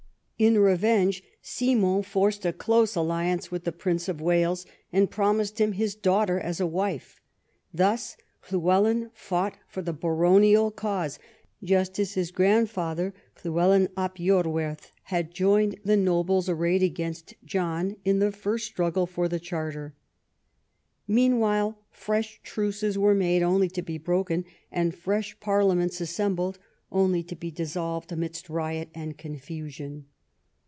In revenge Simon forced a close alliance with the Prince of Wales, and promised him his daughter as a wife. Thus Llywelyn fought for the baronial cause, just as his grandfather Llywelyn ab lorwerth had joined the nobles arrayed against John in the first struggle for the Charter. Meanwhile fresh truces were made, only to be broken ; and fresh parliaments assembled, only to be dissolved amidst riot and confusion.